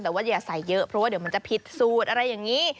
แต่ว่าอย่าใส่เยอะเพราะว่าเดี๋ยวมันจะผิดสูตรอะไรอย่างนี้